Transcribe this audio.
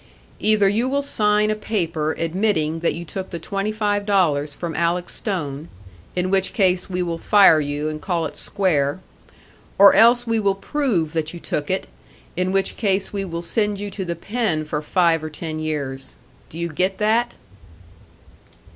"Either you will sign a paper admitting that you took the twenty five dollars from Alec Stone, in which case we will fire you and call it square; or else we will prove that you took it, in which case we will send you to the pen for five or ten years. Do you get that?"